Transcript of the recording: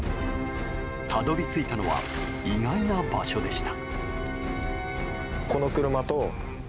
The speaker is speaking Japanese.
たどり着いたのは意外な場所でした。